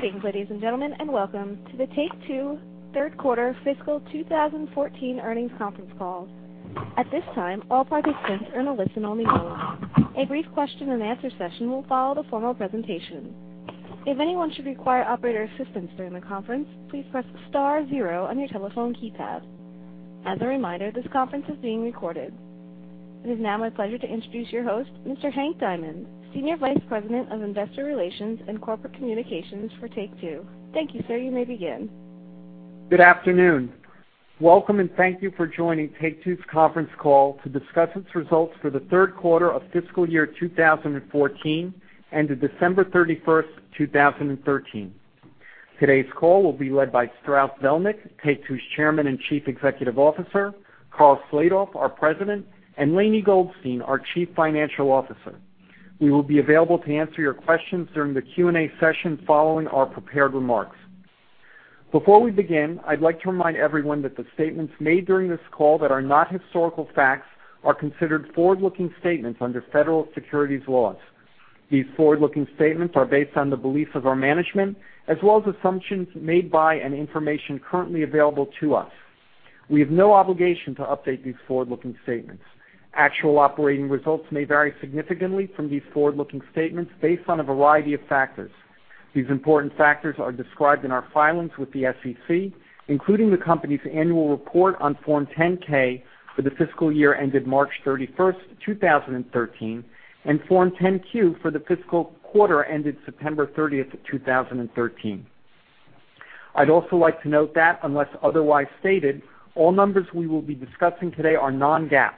Greetings, ladies and gentlemen, welcome to the Take-Two third quarter fiscal 2014 earnings conference call. At this time, all participants are in a listen-only mode. A brief question and answer session will follow the formal presentation. If anyone should require operator assistance during the conference, please press star zero on your telephone keypad. As a reminder, this conference is being recorded. It is now my pleasure to introduce your host, Mr. Hank Diamond, Senior Vice President of Investor Relations and Corporate Communications for Take-Two. Thank you, sir. You may begin. Good afternoon. Welcome, thank you for joining Take-Two's conference call to discuss its results for the third quarter of fiscal year 2014 ended December 31st, 2013. Today's call will be led by Strauss Zelnick, Take-Two's Chairman and Chief Executive Officer, Karl Slatoff, our President, and Lainie Goldstein, our Chief Financial Officer. We will be available to answer your questions during the Q&A session following our prepared remarks. Before we begin, I'd like to remind everyone that the statements made during this call that are not historical facts are considered forward-looking statements under federal securities laws. These forward-looking statements are based on the beliefs of our management as well as assumptions made by and information currently available to us. We have no obligation to update these forward-looking statements. Actual operating results may vary significantly from these forward-looking statements based on a variety of factors. These important factors are described in our filings with the SEC, including the company's annual report on Form 10-K for the fiscal year ended March 31st, 2013, and Form 10-Q for the fiscal quarter ended September 30th, 2013. I'd also like to note that unless otherwise stated, all numbers we will be discussing today are non-GAAP.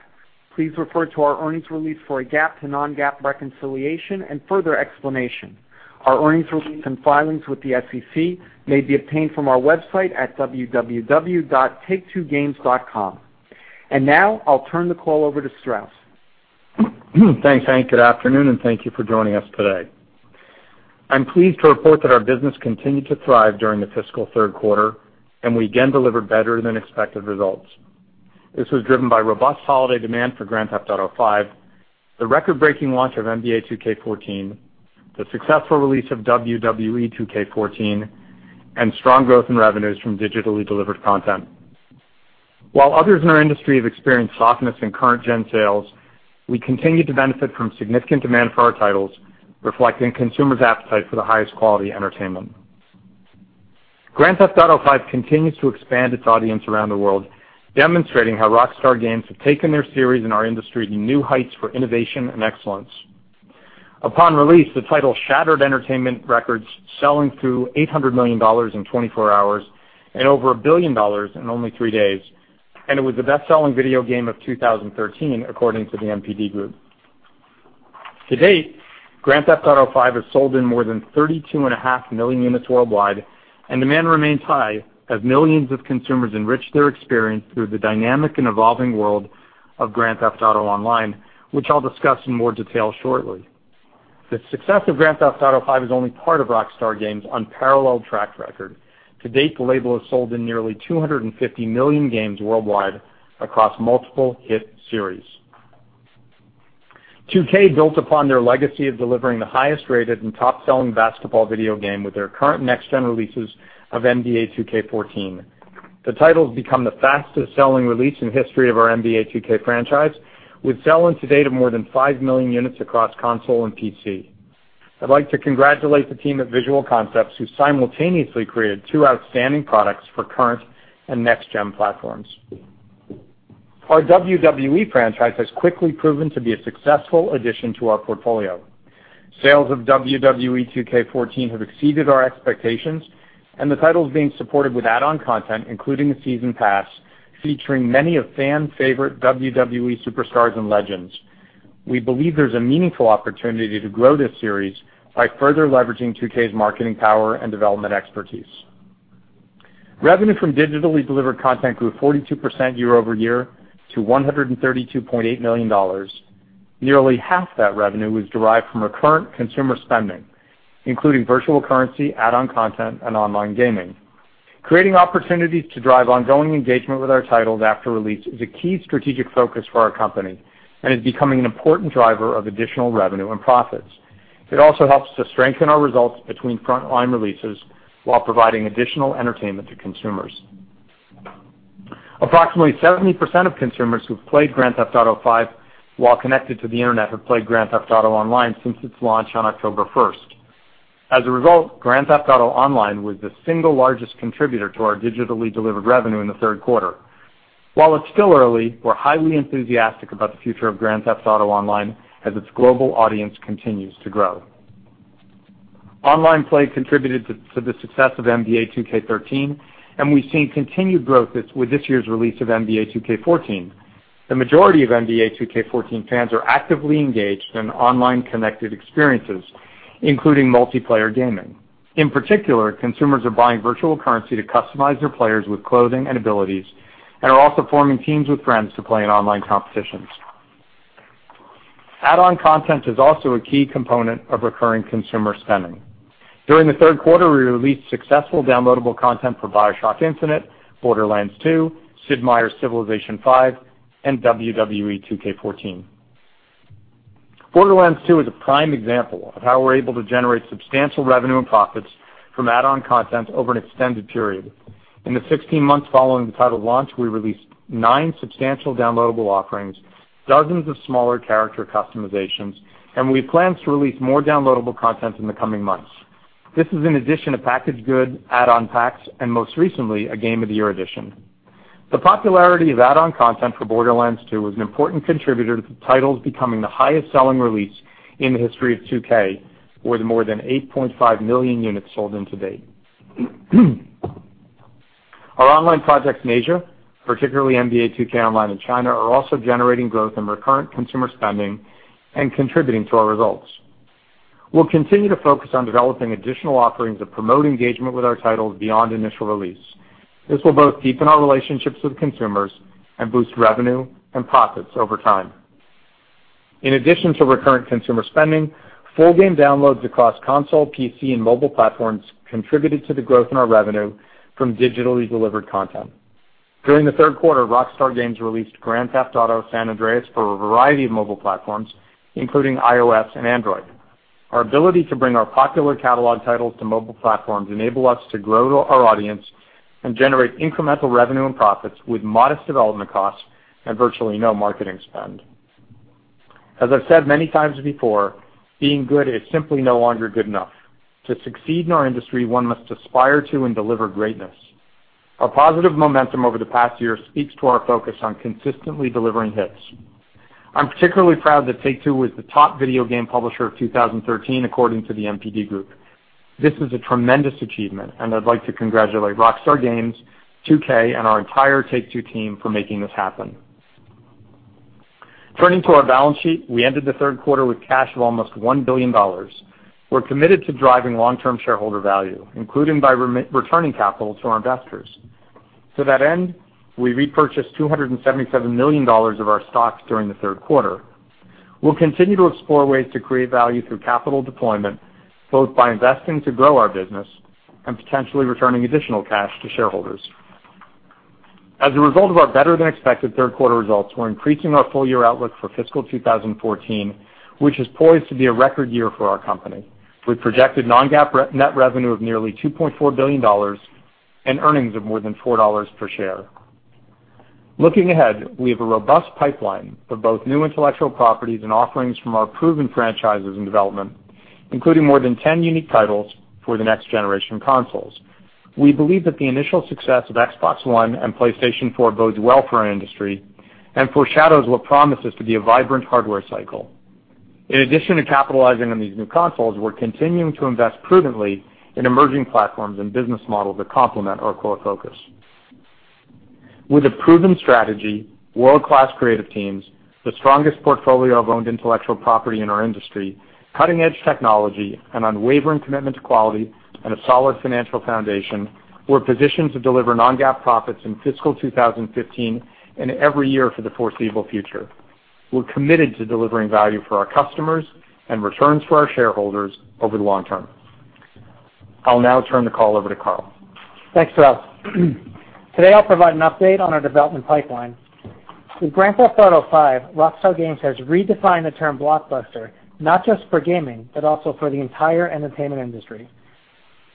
Please refer to our earnings release for a GAAP to non-GAAP reconciliation and further explanation. Our earnings release and filings with the SEC may be obtained from our website at www.taketwogames.com. Now I'll turn the call over to Strauss. Thanks, Hank. Good afternoon, thank you for joining us today. I'm pleased to report that our business continued to thrive during the fiscal third quarter, and we again delivered better than expected results. This was driven by robust holiday demand for Grand Theft Auto V, the record-breaking launch of NBA 2K14, the successful release of WWE 2K14, and strong growth in revenues from digitally delivered content. While others in our industry have experienced softness in current gen sales, we continue to benefit from significant demand for our titles, reflecting consumers' appetite for the highest quality entertainment. Grand Theft Auto V continues to expand its audience around the world, demonstrating how Rockstar Games have taken their series and our industry to new heights for innovation and excellence. Upon release, the title shattered entertainment records, selling through $800 million in 24 hours and over $1 billion in only three days. It was the best-selling video game of 2013, according to the NPD Group. To date, Grand Theft Auto V has sold in more than 32.5 million units worldwide, and demand remains high as millions of consumers enrich their experience through the dynamic and evolving world of Grand Theft Auto Online, which I'll discuss in more detail shortly. The success of Grand Theft Auto V is only part of Rockstar Games' unparalleled track record. To date, the label has sold in nearly 250 million games worldwide across multiple hit series. 2K built upon their legacy of delivering the highest rated and top selling basketball video game with their current next gen releases of NBA 2K14. The title has become the fastest selling release in the history of our NBA 2K franchise, with sell-in to date of more than 5 million units across console and PC. I'd like to congratulate the team at Visual Concepts, who simultaneously created two outstanding products for current and next gen platforms. Our WWE franchise has quickly proven to be a successful addition to our portfolio. Sales of WWE 2K14 have exceeded our expectations, and the title is being supported with add-on content, including a season pass featuring many of fan favorite WWE Superstars and Legends. We believe there's a meaningful opportunity to grow this series by further leveraging 2K's marketing power and development expertise. Revenue from digitally delivered content grew 42% year over year to $132.8 million. Nearly half that revenue was derived from recurrent consumer spending, including virtual currency, add-on content, and online gaming. Creating opportunities to drive ongoing engagement with our titles after release is a key strategic focus for our company and is becoming an important driver of additional revenue and profits. It also helps to strengthen our results between frontline releases while providing additional entertainment to consumers. Approximately 70% of consumers who've played Grand Theft Auto V while connected to the internet have played Grand Theft Auto Online since its launch on October 1st. As a result, Grand Theft Auto Online was the single largest contributor to our digitally delivered revenue in the third quarter. While it's still early, we're highly enthusiastic about the future of Grand Theft Auto Online as its global audience continues to grow. Online play contributed to the success of NBA 2K13. We've seen continued growth with this year's release of NBA 2K14. The majority of NBA 2K14 fans are actively engaged in online connected experiences, including multiplayer gaming. In particular, consumers are buying virtual currency to customize their players with clothing and abilities and are also forming teams with friends to play in online competitions. Add-on content is also a key component of recurring consumer spending. During the third quarter, we released successful downloadable content for BioShock Infinite, Borderlands 2, Sid Meier's Civilization V, and WWE 2K14. Borderlands 2 is a prime example of how we're able to generate substantial revenue and profits from add-on content over an extended period. In the 16 months following the title launch, we released nine substantial downloadable offerings, dozens of smaller character customizations, and we plan to release more downloadable content in the coming months. This is in addition to packaged good add-on packs, and most recently, a Game of the Year edition. The popularity of add-on content for Borderlands 2 was an important contributor to the titles becoming the highest-selling release in the history of 2K, with more than 8.5 million units sold to date. Our online projects in Asia, particularly NBA 2K Online in China, are also generating growth in recurrent consumer spending and contributing to our results. We'll continue to focus on developing additional offerings that promote engagement with our titles beyond initial release. This will both deepen our relationships with consumers and boost revenue and profits over time. In addition to recurrent consumer spending, full game downloads across console, PC, and mobile platforms contributed to the growth in our revenue from digitally delivered content. During the third quarter, Rockstar Games released Grand Theft Auto: San Andreas for a variety of mobile platforms, including iOS and Android. Our ability to bring our popular catalog titles to mobile platforms enable us to grow our audience and generate incremental revenue and profits with modest development costs and virtually no marketing spend. As I've said many times before, being good is simply no longer good enough. To succeed in our industry, one must aspire to and deliver greatness. Our positive momentum over the past year speaks to our focus on consistently delivering hits. I'm particularly proud that Take-Two was the top video game publisher of 2013, according to the NPD Group. This is a tremendous achievement, and I'd like to congratulate Rockstar Games, 2K, and our entire Take-Two team for making this happen. Turning to our balance sheet, we ended the third quarter with cash of almost $1 billion. We're committed to driving long-term shareholder value, including by returning capital to our investors. To that end, we repurchased $277 million of our stocks during the third quarter. We'll continue to explore ways to create value through capital deployment, both by investing to grow our business and potentially returning additional cash to shareholders. As a result of our better-than-expected third-quarter results, we're increasing our full-year outlook for fiscal 2014, which is poised to be a record year for our company, with projected non-GAAP net revenue of nearly $2.4 billion and earnings of more than $4 per share. Looking ahead, we have a robust pipeline of both new intellectual properties and offerings from our proven franchises in development, including more than 10 unique titles for the next-generation consoles. We believe that the initial success of Xbox One and PlayStation 4 bodes well for our industry and foreshadows what promises to be a vibrant hardware cycle. In addition to capitalizing on these new consoles, we're continuing to invest prudently in emerging platforms and business models that complement our core focus. With a proven strategy, world-class creative teams, the strongest portfolio of owned intellectual property in our industry, cutting-edge technology, an unwavering commitment to quality, and a solid financial foundation, we're positioned to deliver non-GAAP profits in fiscal 2015 and every year for the foreseeable future. We're committed to delivering value for our customers and returns for our shareholders over the long term. I'll now turn the call over to Karl. Thanks, Strauss. Today, I'll provide an update on our development pipeline. With "Grand Theft Auto V," Rockstar Games has redefined the term blockbuster, not just for gaming, but also for the entire entertainment industry.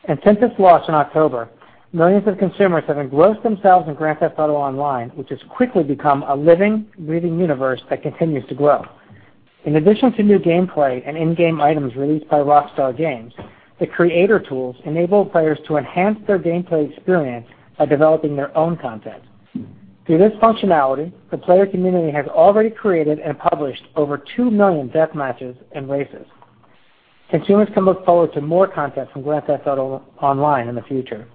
Since its launch in October, millions of consumers have engrossed themselves in "Grand Theft Auto Online," which has quickly become a living, breathing universe that continues to grow. In addition to new gameplay and in-game items released by Rockstar Games, the creator tools enable players to enhance their gameplay experience by developing their own content. Through this functionality, the player community has already created and published over 2 million death matches and races. Consumers can look forward to more content from "Grand Theft Auto Online" in the future.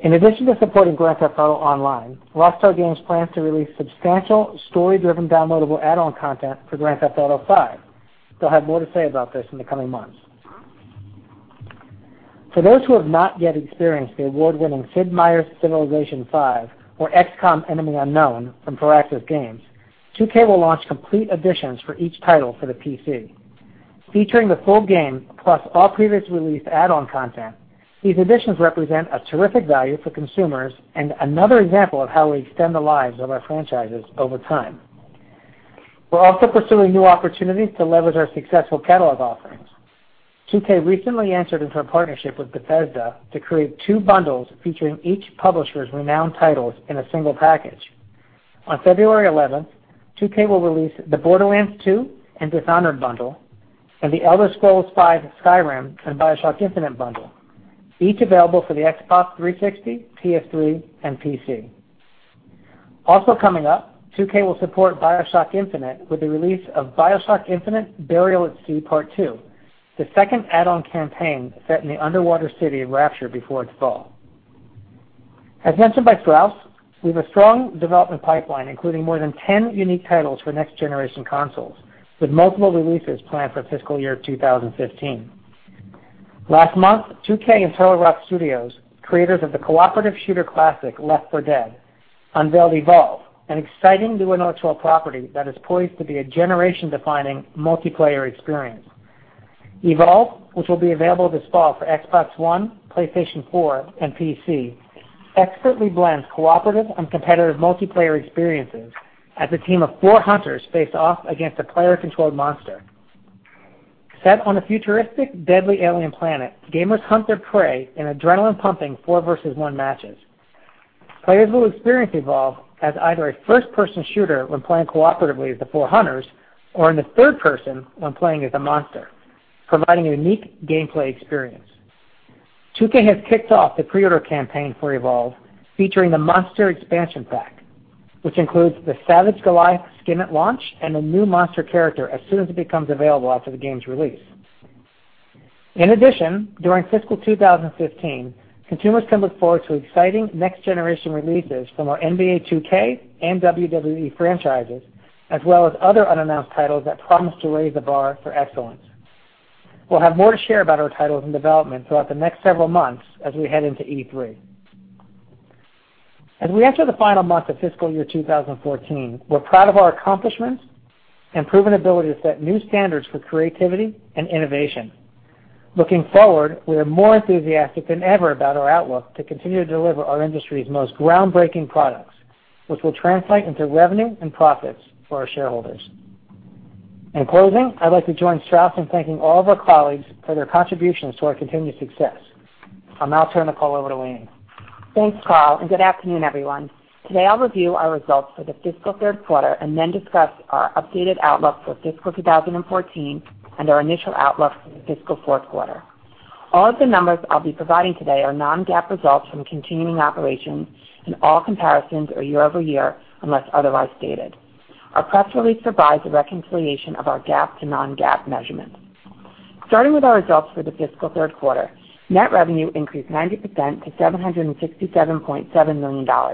In addition to supporting "Grand Theft Auto Online," Rockstar Games plans to release substantial story-driven downloadable add-on content for "Grand Theft Auto V." They'll have more to say about this in the coming months. For those who have not yet experienced the award-winning "Sid Meier's Civilization V" or "XCOM: Enemy Unknown" from Firaxis Games, 2K will launch complete editions for each title for the PC. Featuring the full game plus all previously released add-on content, these editions represent a terrific value for consumers and another example of how we extend the lives of our franchises over time. We're also pursuing new opportunities to leverage our successful catalog offerings. 2K recently entered into a partnership with Bethesda to create 2 bundles featuring each publisher's renowned titles in a single package. On February 11th, 2K will release the "Borderlands 2" and "Dishonored" bundle, and "The Elder Scrolls V: Skyrim" and "BioShock Infinite" bundle, each available for the Xbox 360, PS3, and PC. Also coming up, 2K will support "BioShock Infinite" with the release of "BioShock Infinite: Burial at Sea Part 2," the second add-on campaign set in the underwater city of Rapture before its fall. As mentioned by Strauss, we have a strong development pipeline, including more than 10 unique titles for next-generation consoles, with multiple releases planned for fiscal year 2015. Last month, 2K and Turtle Rock Studios, creators of the cooperative shooter classic "Left 4 Dead," unveiled "Evolve," an exciting new intellectual property that is poised to be a generation-defining multiplayer experience. Evolve, which will be available this fall for Xbox One, PlayStation 4, and PC, expertly blends cooperative and competitive multiplayer experiences as a team of 4 hunters face off against a player-controlled monster. Set on a futuristic, deadly alien planet, gamers hunt their prey in adrenaline-pumping 4 versus 1 matches. Players will experience Evolve as either a first-person shooter when playing cooperatively as the 4 hunters or in the third person when playing as a monster, providing a unique gameplay experience. 2K has kicked off the pre-order campaign for Evolve, featuring the Monster Expansion Pack, which includes the Savage Goliath Skin at launch and a new monster character as soon as it becomes available after the game's release. In addition, during fiscal 2015, consumers can look forward to exciting next-generation releases from our NBA 2K and WWE franchises, as well as other unannounced titles that promise to raise the bar for excellence. We'll have more to share about our titles in development throughout the next several months as we head into E3. As we enter the final month of fiscal year 2014, we're proud of our accomplishments and proven ability to set new standards for creativity and innovation. Looking forward, we are more enthusiastic than ever about our outlook to continue to deliver our industry's most groundbreaking products, which will translate into revenue and profits for our shareholders. In closing, I'd like to join Strauss in thanking all of our colleagues for their contributions to our continued success. I'll now turn the call over to Lainie. Thanks, Karl, and good afternoon, everyone. Today, I'll review our results for the fiscal third quarter and then discuss our updated outlook for fiscal 2014 and our initial outlook for the fiscal fourth quarter. All of the numbers I'll be providing today are non-GAAP results from continuing operations, and all comparisons are year-over-year, unless otherwise stated. Our press release provides a reconciliation of our GAAP to non-GAAP measurements. Starting with our results for the fiscal third quarter, net revenue increased 90% to $767.7 million.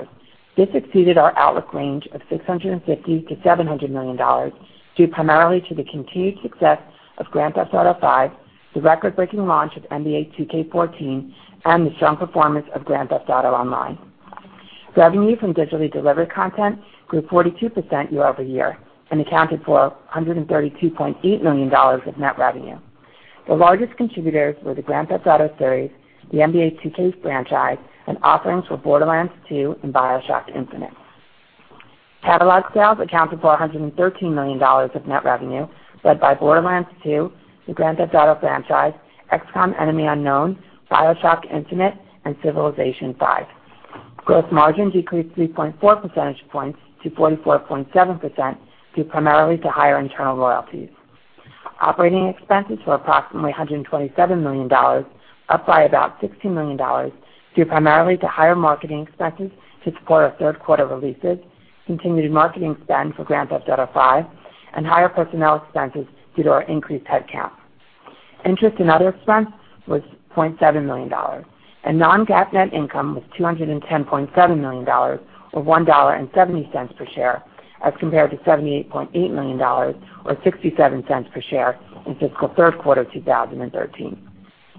This exceeded our outlook range of $650 million-$700 million due primarily to the continued success of Grand Theft Auto V, the record-breaking launch of NBA 2K14, and the strong performance of Grand Theft Auto Online. Revenue from digitally delivered content grew 42% year-over-year and accounted for $132.8 million of net revenue. The largest contributors were the Grand Theft Auto series, the NBA 2K franchise, and offerings for Borderlands 2 and BioShock Infinite. Catalog sales accounted for $113 million of net revenue led by Borderlands 2, the Grand Theft Auto franchise, XCOM: Enemy Unknown, BioShock Infinite, and Civilization V. Gross margin decreased 3.4 percentage points to 44.7%, due primarily to higher internal royalties. Operating expenses were approximately $127 million, up by about $16 million, due primarily to higher marketing expenses to support our third-quarter releases, continued marketing spend for Grand Theft Auto V, and higher personnel expenses due to our increased headcount. Interest and other expense was $0.7 million, and non-GAAP net income was $210.7 million, or $1.70 per share, as compared to $78.8 million or $0.67 per share in fiscal third quarter 2013.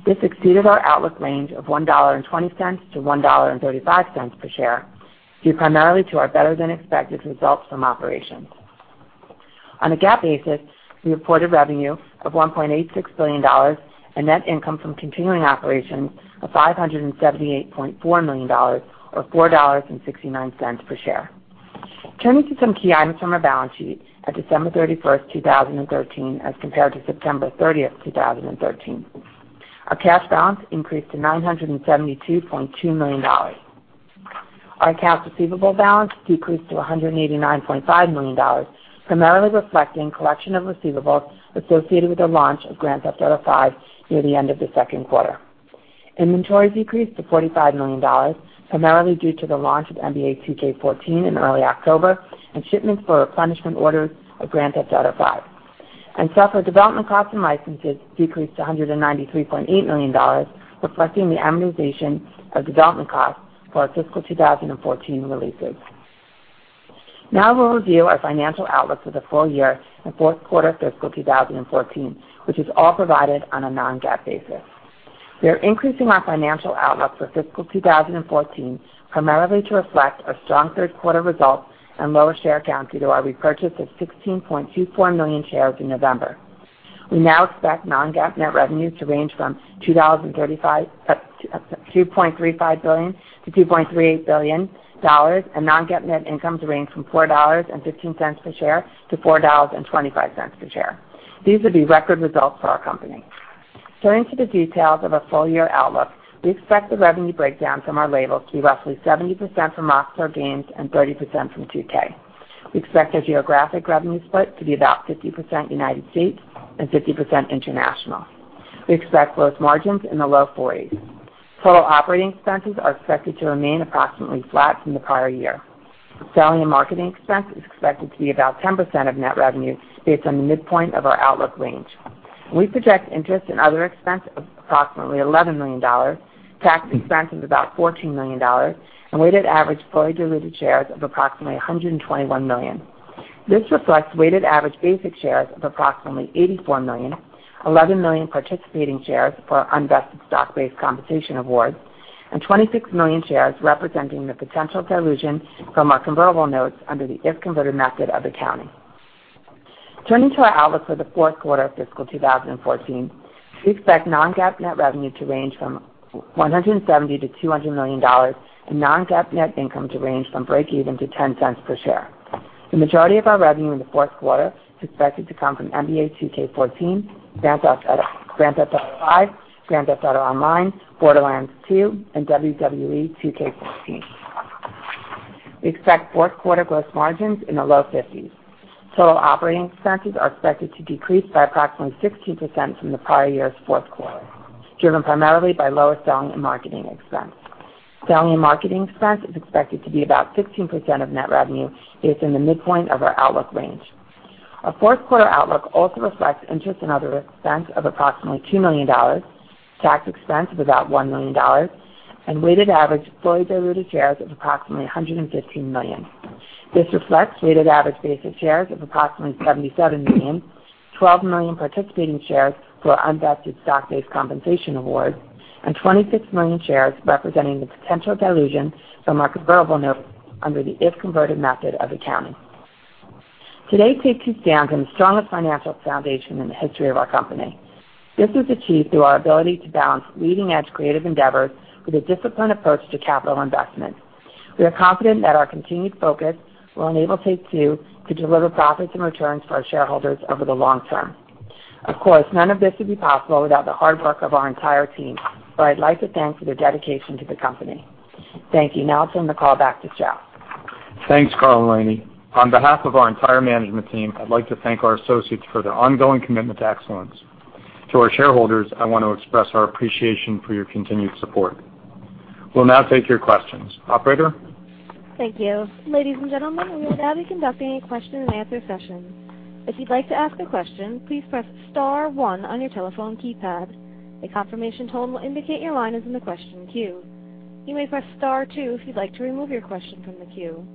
This exceeded our outlook range of $1.20-$1.35 per share due primarily to our better-than-expected results from operations. On a GAAP basis, we reported revenue of $1.86 billion and net income from continuing operations of $578.4 million or $4.69 per share. Turning to some key items from our balance sheet at December 31st, 2013, as compared to September 30th, 2013. Our cash balance increased to $972.2 million. Our accounts receivable balance decreased to $189.5 million, primarily reflecting collection of receivables associated with the launch of Grand Theft Auto V near the end of the second quarter. Inventories decreased to $45 million, primarily due to the launch of NBA 2K14 in early October and shipments for replenishment orders of Grand Theft Auto V. Software development costs and licenses decreased to $193.8 million, reflecting the amortization of development costs for our fiscal 2014 releases. We'll review our financial outlook for the full year and fourth quarter fiscal 2014, which is all provided on a non-GAAP basis. We are increasing our financial outlook for fiscal 2014 primarily to reflect our strong third quarter results and lower share count due to our repurchase of 16.24 million shares in November. We now expect non-GAAP net revenue to range from $2.35 billion-$2.38 billion and non-GAAP net income to range from $4.15 per share-$4.25 per share. These would be record results for our company. Turning to the details of our full-year outlook, we expect the revenue breakdown from our labels to be roughly 70% from Rockstar Games and 30% from 2K. We expect our geographic revenue split to be about 50% U.S. and 50% international. We expect gross margins in the low 40s. Total operating expenses are expected to remain approximately flat from the prior year. Selling and marketing expense is expected to be about 10% of net revenue based on the midpoint of our outlook range. We project interest and other expense of approximately $11 million, tax expense of about $14 million, and weighted average fully diluted shares of approximately 121 million. This reflects weighted average basic shares of approximately 84 million, 11 million participating shares for unvested stock-based compensation awards, and 26 million shares representing the potential dilution from our convertible notes under the if-converted method of accounting. Turning to our outlook for the fourth quarter of fiscal 2014, we expect non-GAAP net revenue to range from $170 million-$200 million, and non-GAAP net income to range from breakeven to $0.10 per share. The majority of our revenue in the fourth quarter is expected to come from NBA 2K14, Grand Theft Auto, Grand Theft Auto V, Grand Theft Auto Online, Borderlands 2, and WWE 2K14. We expect fourth quarter gross margins in the low 50s. Total operating expenses are expected to decrease by approximately 16% from the prior year's fourth quarter, driven primarily by lower selling and marketing expense. Selling and marketing expense is expected to be about 16% of net revenue if in the midpoint of our outlook range. Our fourth quarter outlook also reflects interest in other expense of approximately $2 million, tax expense of about $1 million, and weighted average fully diluted shares of approximately 115 million. This reflects weighted average basic shares of approximately 77 million, 12 million participating shares for unvested stock-based compensation awards, and 26 million shares representing the potential dilution from our convertible notes under the if-converted method of accounting. Today, Take-Two stands on the strongest financial foundation in the history of our company. This was achieved through our ability to balance leading-edge creative endeavors with a disciplined approach to capital investment. We are confident that our continued focus will enable Take-Two to deliver profits and returns for our shareholders over the long term. None of this would be possible without the hard work of our entire team, I'd like to thank you for your dedication to the company. Thank you. I'll turn the call back to Strauss Zelnick. Thanks, Karl Slatoff. On behalf of our entire management team, I'd like to thank our associates for their ongoing commitment to excellence. To our shareholders, I want to express our appreciation for your continued support. We'll now take your questions. Operator? Thank you. Ladies and gentlemen, we will now be conducting a question and answer session. If you'd like to ask a question, please press star one on your telephone keypad. A confirmation tone will indicate your line is in the question queue. You may press star two if you'd like to remove your question from the queue.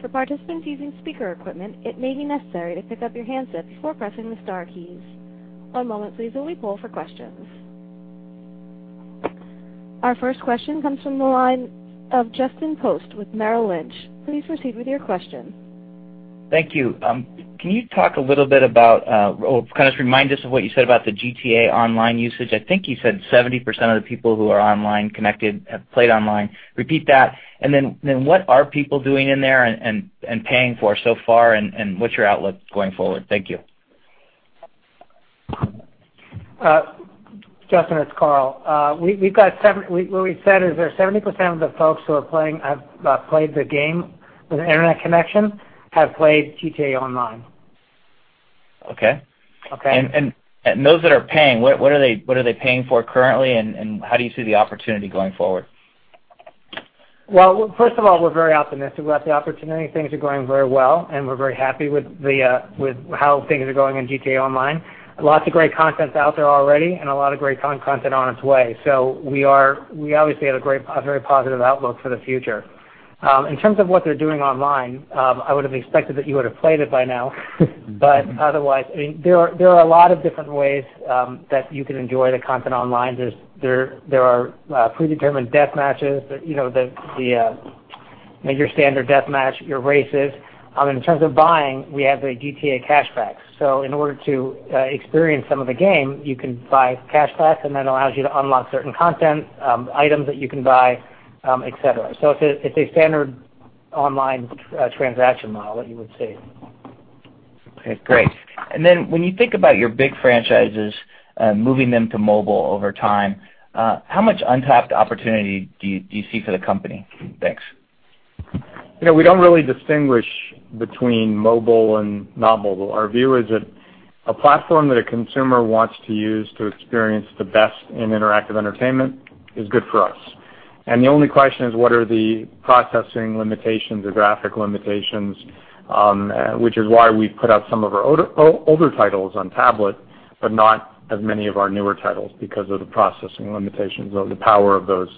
For participants using speaker equipment, it may be necessary to pick up your handset before pressing the star keys. One moment please, while we poll for questions. Our first question comes from the line of Justin Post with Merrill Lynch. Please proceed with your question. Thank you. Can you talk a little bit about or kind of just remind us of what you said about the GTA Online usage? I think you said 70% of the people who are online connected have played online. Repeat that. What are people doing in there and paying for so far, and what's your outlook going forward? Thank you. Justin, it's Karl. What we said is that 70% of the folks who have played the game with an internet connection have played GTA Online. Okay. Okay. What are they paying for currently and how do you see the opportunity going forward? Well, first of all, we're very optimistic about the opportunity. Things are going very well, and we're very happy with how things are going in GTA Online. Lots of great content out there already and a lot of great content on its way. We obviously have a very positive outlook for the future. In terms of what they're doing online, I would have expected that you would have played it by now. Otherwise, there are a lot of different ways that you can enjoy the content online. There are predetermined death matches, your standard death match, your races. In terms of buying, we have the Shark Cards. In order to experience some of the game, you can buy Shark Cards, and that allows you to unlock certain content, items that you can buy, et cetera. It's a standard online transaction model that you would see. Okay, great. When you think about your big franchises, moving them to mobile over time, how much untapped opportunity do you see for the company? Thanks. We don't really distinguish between mobile and not mobile. Our view is that a platform that a consumer wants to use to experience the best in interactive entertainment is good for us. The only question is, what are the processing limitations or graphic limitations? Which is why we've put out some of our older titles on tablet, but not as many of our newer titles because of the processing limitations or the power of those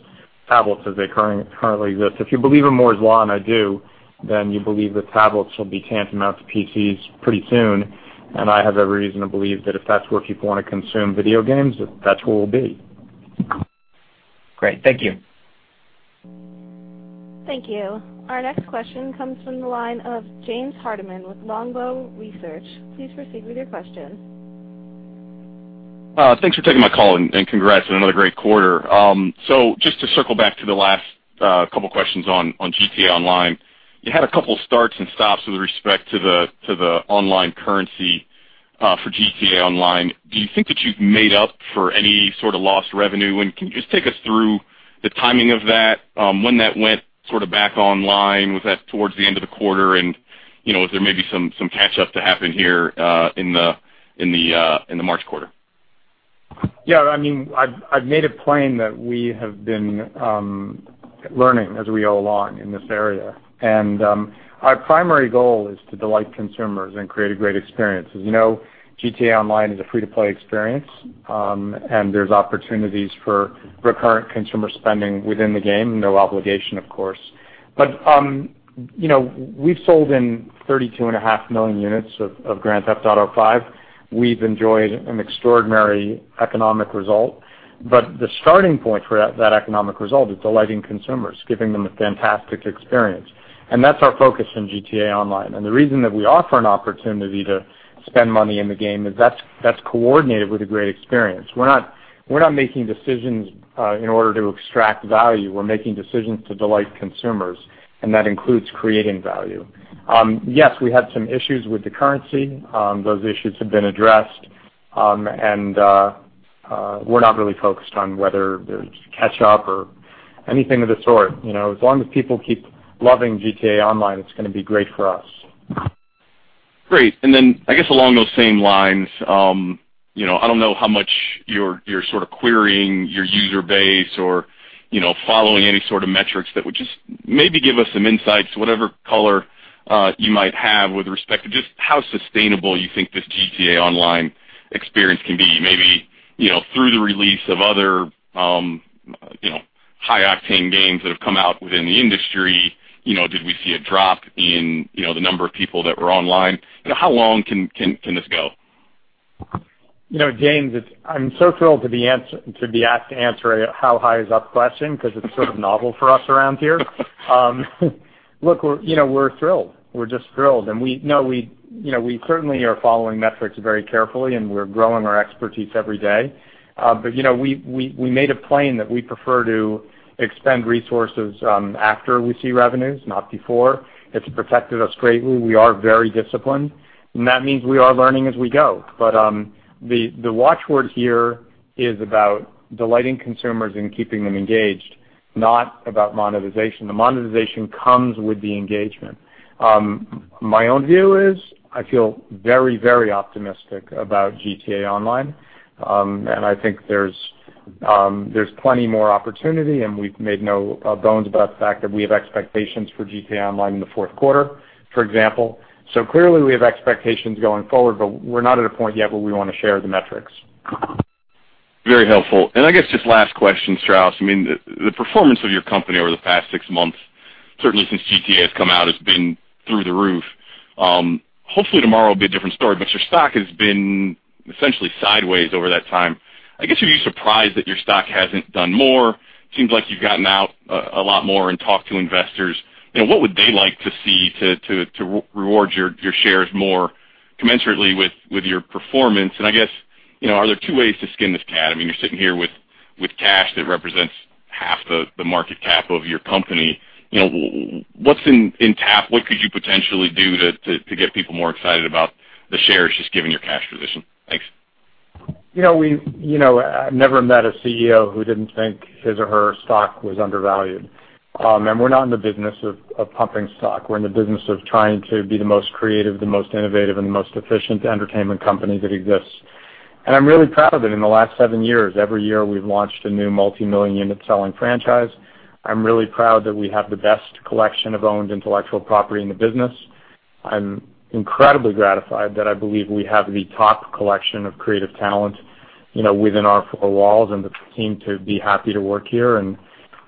tablets as they currently exist. If you believe in Moore's Law, and I do, then you believe that tablets will be tantamount to PCs pretty soon. I have every reason to believe that if that's where people want to consume video games, that's where we'll be. Great. Thank you. Thank you. Our next question comes from the line of James Hardiman with Longbow Research. Please proceed with your question. Thanks for taking my call, and congrats on another great quarter. Just to circle back to the last couple of questions on GTA Online, you had a couple of starts and stops with respect to the online currency for GTA Online. Do you think that you've made up for any sort of lost revenue? Can you just take us through the timing of that, when that went sort of back online? Was that towards the end of the quarter? Is there maybe some catch-up to happen here in the March quarter? Yeah, I've made it plain that we have been learning as we go along in this area. Our primary goal is to delight consumers and create a great experience. As you know, GTA Online is a free-to-play experience, and there's opportunities for recurrent consumer spending within the game. No obligation, of course. We've sold 32.5 million units of Grand Theft Auto V We've enjoyed an extraordinary economic result. The starting point for that economic result is delighting consumers, giving them a fantastic experience, and that's our focus in GTA Online. The reason that we offer an opportunity to spend money in the game is that's coordinated with a great experience. We're not making decisions in order to extract value. We're making decisions to delight consumers, and that includes creating value. Yes, we had some issues with the currency. Those issues have been addressed. We're not really focused on whether there's catch-up or anything of the sort. As long as people keep loving "GTA Online," it's going to be great for us. Great. Then I guess along those same lines, I don't know how much you're sort of querying your user base or following any sort of metrics that would just maybe give us some insights. Whatever color you might have with respect to just how sustainable you think this "GTA Online" experience can be. Maybe through the release of other high-octane games that have come out within the industry, did we see a drop in the number of people that were online? How long can this go? James, I'm so thrilled to be asked to answer a how-high-is-up question because it's sort of novel for us around here. Look, we're thrilled. We're just thrilled. We certainly are following metrics very carefully, and we're growing our expertise every day. We made a claim that we prefer to expend resources after we see revenues, not before. It's protected us greatly. We are very disciplined, and that means we are learning as we go. The watch word here is about delighting consumers and keeping them engaged, not about monetization. The monetization comes with the engagement. My own view is I feel very optimistic about "GTA Online," and I think there's plenty more opportunity, and we've made no bones about the fact that we have expectations for "GTA Online" in the fourth quarter, for example. Clearly, we have expectations going forward, but we're not at a point yet where we want to share the metrics. Very helpful. I guess just last question, Strauss, the performance of your company over the past six months, certainly since GTA has come out, has been through the roof. Hopefully tomorrow will be a different story, but your stock has been essentially sideways over that time. I guess, are you surprised that your stock hasn't done more? Seems like you've gotten out a lot more and talked to investors. What would they like to see to reward your shares more commensurately with your performance? I guess, are there two ways to skin this cat? You're sitting here with cash that represents half the market cap of your company. What's in tap? What could you potentially do to get people more excited about the shares, just given your cash position? Thanks. I've never met a CEO who didn't think his or her stock was undervalued. We're not in the business of pumping stock. We're in the business of trying to be the most creative, the most innovative, and the most efficient entertainment company that exists. I'm really proud that in the last seven years, every year, we've launched a new multi-million unit selling franchise. I'm really proud that we have the best collection of owned intellectual property in the business. I'm incredibly gratified that I believe we have the top collection of creative talent within our four walls and the team to be happy to work here, and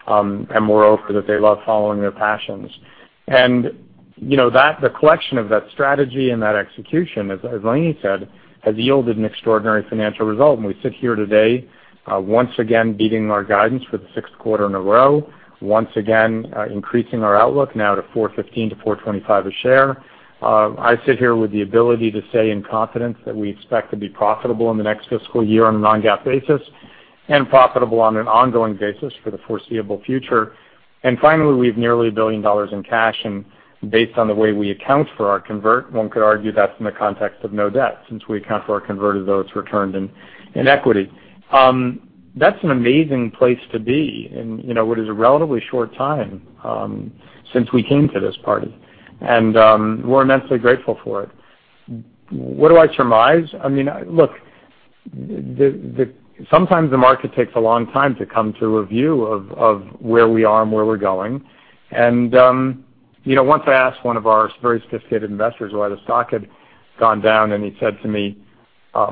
moreover, that they love following their passions. The collection of that strategy and that execution, as Lainie said, has yielded an extraordinary financial result. We sit here today, once again beating our guidance for the sixth quarter in a row, once again increasing our outlook now to $4.15-$4.25 a share. I sit here with the ability to say in confidence that we expect to be profitable in the next fiscal year on a non-GAAP basis and profitable on an ongoing basis for the foreseeable future. Finally, we have nearly $1 billion in cash, and based on the way we account for our convert, one could argue that's in the context of no debt, since we account for our converted notes returned in equity. That's an amazing place to be in what is a relatively short time since we came to this party, and we're immensely grateful for it. What do I surmise? Look, sometimes the market takes a long time to come to a view of where we are and where we're going. Once I asked one of our very sophisticated investors why the stock had gone down, and he said to me,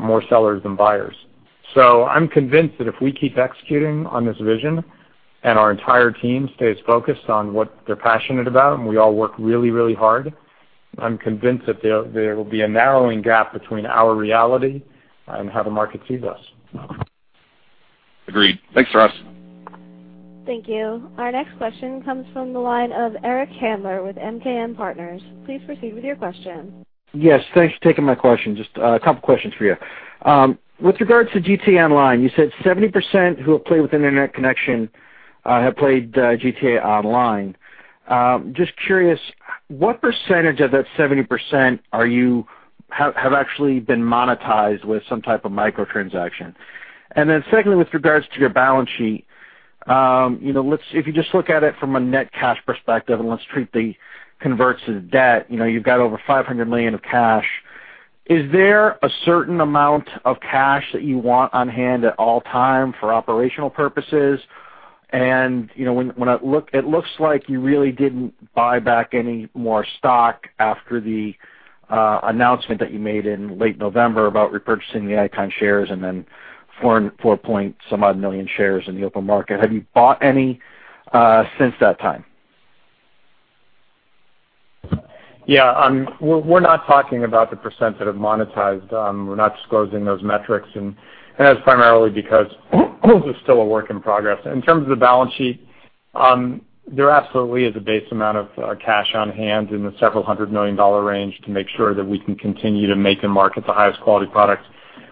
"More sellers than buyers." I'm convinced that if we keep executing on this vision and our entire team stays focused on what they're passionate about, and we all work really hard, I'm convinced that there will be a narrowing gap between our reality and how the market sees us. Agreed. Thanks, Strauss. Thank you. Our next question comes from the line of Eric Handler with MKM Partners. Please proceed with your question. Yes, thanks for taking my question. Just a couple questions for you. With regards to "GTA Online," you said 70% who have played with internet connection have played "GTA Online." Just curious, what percentage of that 70% have actually been monetized with some type of microtransaction? Then secondly, with regards to your balance sheet, if you just look at it from a net cash perspective, and let's treat the converts as debt, you've got over $500 million of cash. Is there a certain amount of cash that you want on hand at all time for operational purposes? It looks like you really didn't buy back any more stock after the announcement that you made in late November about repurchasing the Icahn shares and then 4-point some odd million shares in the open market. Have you bought any since that time? Yeah. We're not talking about the % that have monetized. We're not disclosing those metrics, and that is primarily because this is still a work in progress. In terms of the balance sheet, there absolutely is a base amount of cash on hand in the several hundred million dollar range to make sure that we can continue to make and market the highest quality products.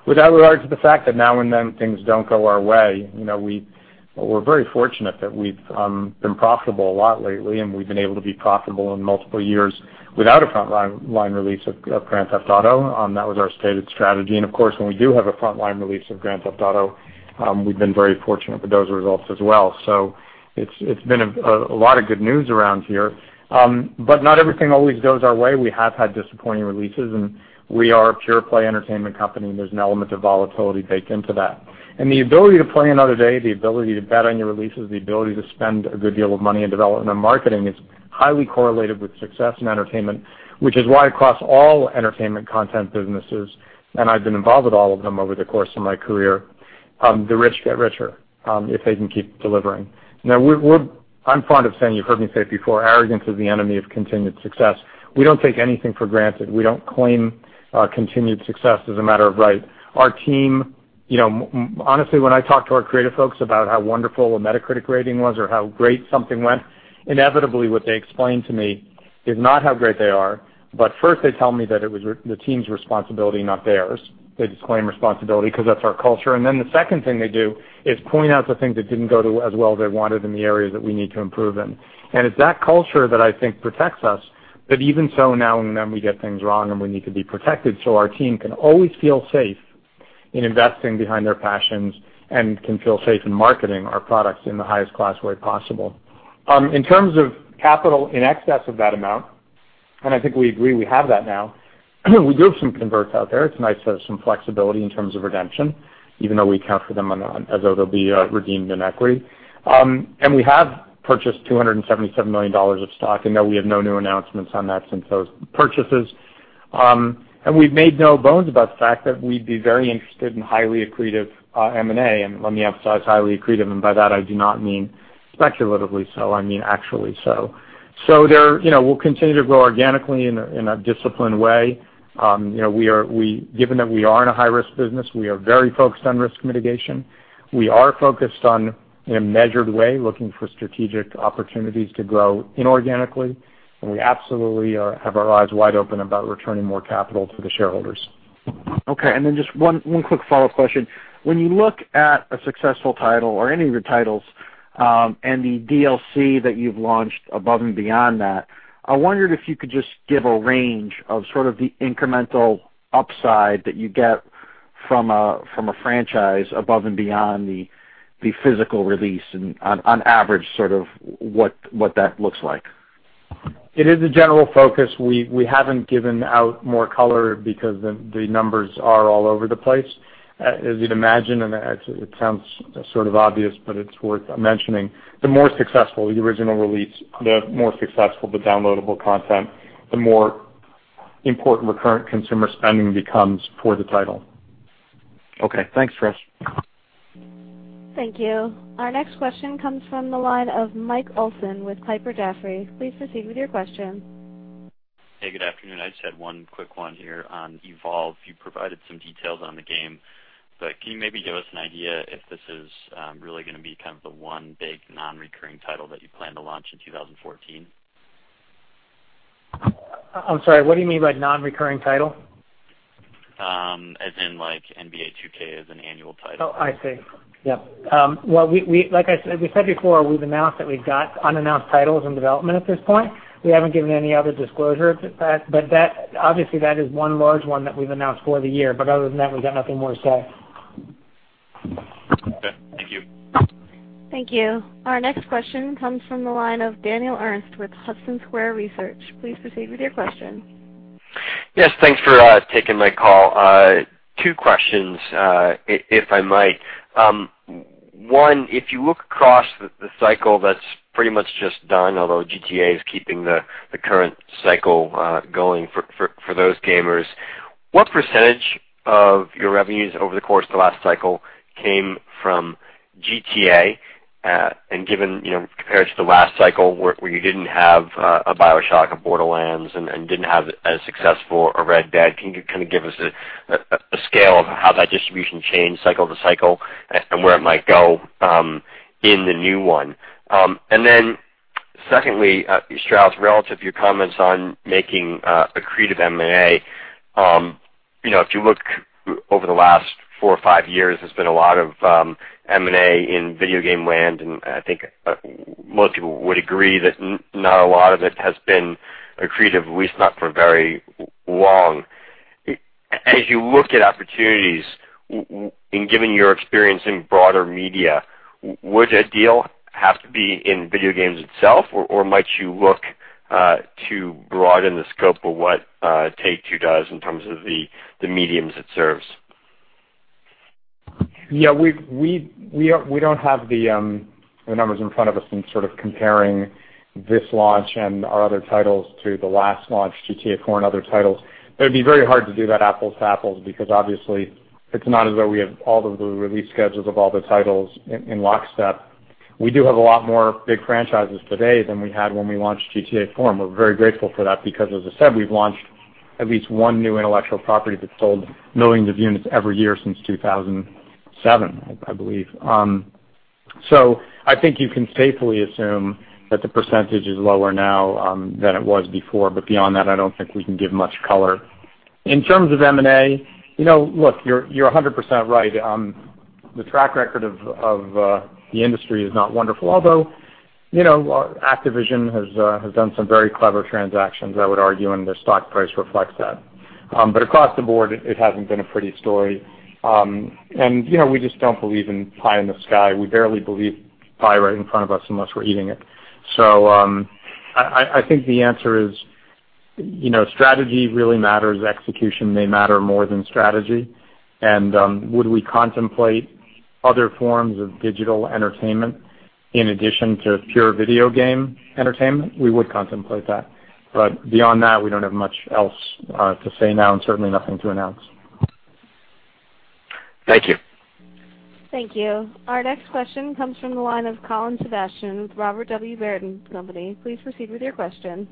With that regard to the fact that now and then things don't go our way, we're very fortunate that we've been profitable a lot lately, and we've been able to be profitable in multiple years without a frontline release of "Grand Theft Auto." That was our stated strategy. Of course, when we do have a frontline release of "Grand Theft Auto," we've been very fortunate with those results as well. It's been a lot of good news around here. Not everything always goes our way. We have had disappointing releases, we are a pure play entertainment company, there's an element of volatility baked into that. The ability to play another day, the ability to bet on your releases, the ability to spend a good deal of money in development and marketing is highly correlated with success in entertainment, which is why across all entertainment content businesses, I've been involved with all of them over the course of my career, the rich get richer, if they can keep delivering. I'm fond of saying, you've heard me say it before, arrogance is the enemy of continued success. We don't take anything for granted. We don't claim continued success as a matter of right. Our team, honestly, when I talk to our creative folks about how wonderful a Metacritic rating was or how great something went, inevitably what they explain to me is not how great they are, but first they tell me that it was the team's responsibility, not theirs. They disclaim responsibility because that's our culture. Then the second thing they do is point out the things that didn't go as well as they wanted in the areas that we need to improve in. It's that culture that I think protects us. Even so, now and then we get things wrong, and we need to be protected so our team can always feel safe in investing behind their passions and can feel safe in marketing our products in the highest class way possible. In terms of capital in excess of that amount, I think we agree we have that now, we do have some converts out there. It's nice to have some flexibility in terms of redemption, even though we account for them as though they'll be redeemed in equity. We have purchased $277 million of stock, though we have no new announcements on that since those purchases. We've made no bones about the fact that we'd be very interested in highly accretive M&A, let me emphasize highly accretive, by that I do not mean speculatively so, I mean actually so. We'll continue to grow organically in a disciplined way. Given that we are in a high-risk business, we are very focused on risk mitigation. We are focused on, in a measured way, looking for strategic opportunities to grow inorganically, we absolutely have our eyes wide open about returning more capital to the shareholders. Okay. Just one quick follow-up question. When you look at a successful title or any of your titles, and the DLC that you've launched above and beyond that, I wondered if you could just give a range of sort of the incremental upside that you get from a franchise above and beyond the physical release and on average, sort of what that looks like. It is a general focus. We haven't given out more color because the numbers are all over the place. As you'd imagine, and it sounds sort of obvious, but it's worth mentioning, the more successful the original release, the more successful the downloadable content, the more important recurrent consumer spending becomes for the title. Okay. Thanks, Strauss. Thank you. Our next question comes from the line of Michael Olson with Piper Jaffray. Please proceed with your question. Hey, good afternoon. I just had one quick one here on Evolve. You provided some details on the game, can you maybe give us an idea if this is really going to be kind of the one big non-recurring title that you plan to launch in 2014? I'm sorry, what do you mean by non-recurring title? As in like NBA 2K is an annual title. Oh, I see. Yep. Well, like I said, we said before, we've announced that we've got unannounced titles in development at this point. We haven't given any other disclosure to that, obviously, that is one large one that we've announced for the year, but other than that, we've got nothing more to say. Okay, thank you. Thank you. Our next question comes from the line of Daniel Ernst with Hudson Square Research. Please proceed with your question. Yes, thanks for taking my call. Two questions, if I might. One, if you look across the cycle that's pretty much just done, although GTA is keeping the current cycle going for those gamers, what percentage of your revenues over the course of the last cycle came from GTA? And given, compared to the last cycle where you didn't have a BioShock, a Borderlands, and didn't have as successful a Red Dead, can you kind of give us a scale of how that distribution changed cycle to cycle and where it might go in the new one? Secondly, Strauss, relative to your comments on making accretive M&A, if you look over the last four or five years, there's been a lot of M&A in video game land, and I think most people would agree that not a lot of it has been accretive, at least not for very long. As you look at opportunities, and given your experience in broader media, would a deal have to be in video games itself, or might you look to broaden the scope of what Take-Two does in terms of the mediums it serves? We don't have the numbers in front of us in sort of comparing this launch and our other titles to the last launch, Grand Theft Auto IV and other titles. It'd be very hard to do that apples to apples because obviously it's not as though we have all of the release schedules of all the titles in lockstep. We do have a lot more big franchises today than we had when we launched Grand Theft Auto IV. We're very grateful for that because, as I said, we've launched at least one new intellectual property that's sold millions of units every year since 2007, I believe. I think you can safely assume that the % is lower now than it was before. Beyond that, I don't think we can give much color. In terms of M&A, look, you're 100% right. The track record of the industry is not wonderful. Although Activision has done some very clever transactions, I would argue, their stock price reflects that. Across the board, it hasn't been a pretty story. We just don't believe in pie in the sky. We barely believe pie right in front of us unless we're eating it. I think the answer is strategy really matters. Execution may matter more than strategy. Would we contemplate other forms of digital entertainment in addition to pure video game entertainment? We would contemplate that, beyond that, we don't have much else to say now and certainly nothing to announce. Thank you. Thank you. Our next question comes from the line of Colin Sebastian with Robert W. Baird & Co. Please proceed with your question.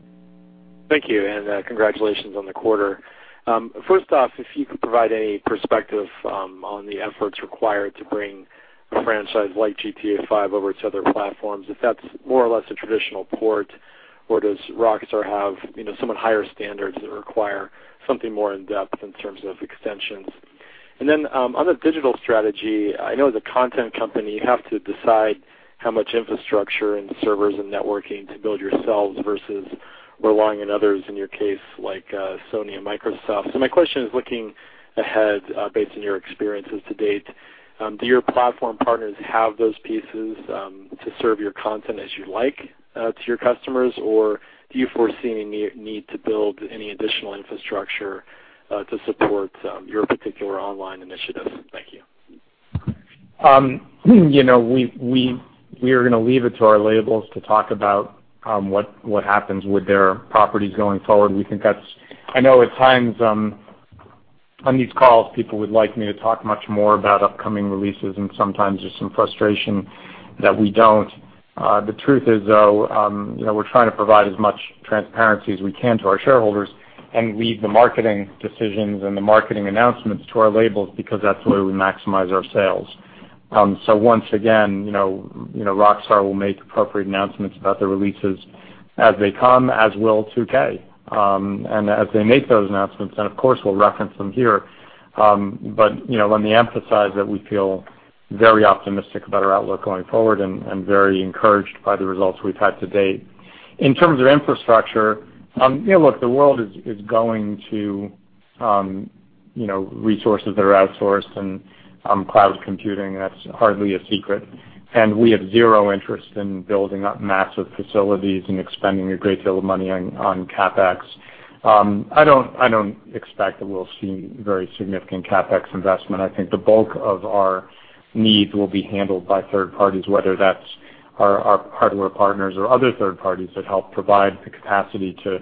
Thank you, and congratulations on the quarter. First off, if you could provide any perspective on the efforts required to bring a franchise like GTA V over to other platforms, if that's more or less a traditional port, or does Rockstar have somewhat higher standards that require something more in-depth in terms of extensions? On the digital strategy, I know as a content company, you have to decide how much infrastructure and servers and networking to build yourselves versus relying on others, in your case, like Sony and Microsoft. My question is looking ahead, based on your experiences to date, do your platform partners have those pieces to serve your content as you like to your customers? Or do you foresee any need to build any additional infrastructure to support your particular online initiatives? Thank you. We are going to leave it to our labels to talk about what happens with their properties going forward. I know at times on these calls, people would like me to talk much more about upcoming releases, and sometimes there's some frustration that we don't. The truth is, though, we're trying to provide as much transparency as we can to our shareholders and leave the marketing decisions and the marketing announcements to our labels because that's where we maximize our sales. Once again, Rockstar will make appropriate announcements about their releases as they come, as will 2K. As they make those announcements, then of course, we'll reference them here. Let me emphasize that we feel very optimistic about our outlook going forward and very encouraged by the results we've had to date. In terms of infrastructure, look, the world is going to resources that are outsourced and cloud computing, that's hardly a secret. We have zero interest in building up massive facilities and expending a great deal of money on CapEx. I don't expect that we'll see very significant CapEx investment. I think the bulk of our needs will be handled by third parties, whether that's our hardware partners or other third parties that help provide the capacity to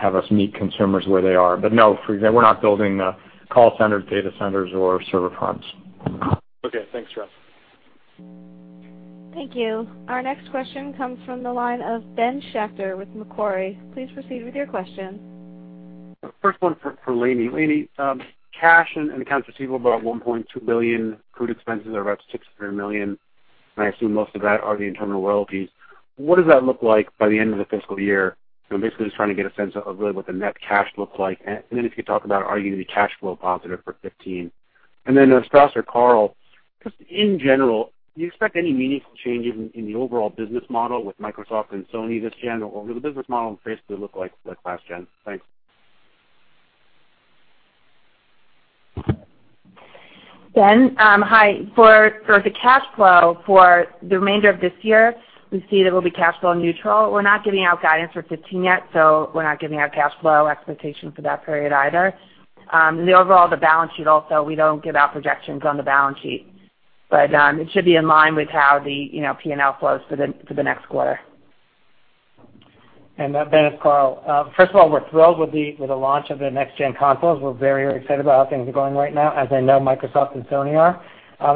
have us meet consumers where they are. No, we're not building call centers, data centers, or server farms. Okay, thanks, Strauss. Thank you. Our next question comes from the line of Ben Schachter with Macquarie. Please proceed with your question. First one for Lainie. Lainie, cash and accounts receivable are $1.2 billion. Accrued expenses are about $600 million, and I assume most of that are the internal royalties. What does that look like by the end of the fiscal year? Basically, just trying to get a sense of really what the net cash looks like. If you could talk about, are you going to be cash flow positive for 2015? Strauss or Karl, just in general, do you expect any meaningful changes in the overall business model with Microsoft and Sony this gen, or will the business model basically look like last gen? Thanks. Ben, hi. For the cash flow for the remainder of this year, we see that we'll be cash flow neutral. We're not giving out guidance for 2015 yet, so we're not giving out cash flow expectation for that period either. The overall, the balance sheet, also, we don't give out projections on the balance sheet, but it should be in line with how the P&L flows for the next quarter. Ben, it's Karl. First of all, we're thrilled with the launch of the next-gen consoles. We're very excited about how things are going right now, as I know Microsoft and Sony are.